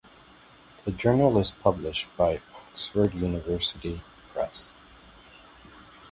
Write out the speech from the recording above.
The journal is published by Oxford University Press.